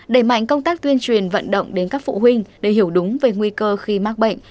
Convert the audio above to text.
đẩy mạnh công tác tuyên truyền vận động đến các phụ huynh để hiểu đúng về nguy cơ khi mắc bệnh